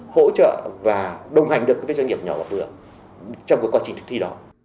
hỗ trợ và đồng hành được với doanh nghiệp nhỏ và vừa trong cái quá trình thực thi đó